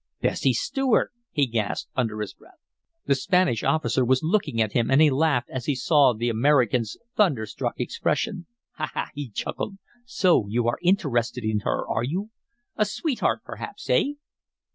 "Bessie Stuart!" he gasped, under his breath. The Spanish officer was looking at him and he laughed as he saw the American's thunderstruck expression. "Ha! ha!" he chuckled, "so you are interested in her, are you? A sweetheart, perhaps, hey?"